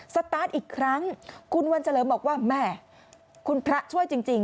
สตาร์ทอีกครั้งคุณวันเฉลิมบอกว่าแม่คุณพระช่วยจริง